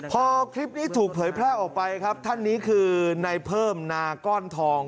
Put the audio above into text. พอคลิปนี้ถูกเผยแพร่ออกไปครับท่านนี้คือในเพิ่มนาก้อนทอง